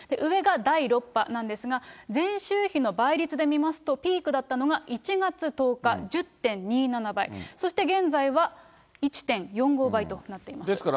上が第６波なんですが、前週比の倍率で見ますと、ピークだったのが１月１０日、１０．２７倍、そして、現在は１．４５倍となっています。